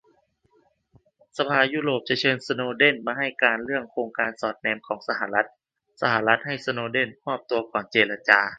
สภายุโรปจะเชิญสโนว์เดนมาให้การเรื่องโครงการสอดแนมของสหรัฐ - สหรัฐให้สโนว์เดนมอบตัวก่อนเจรจา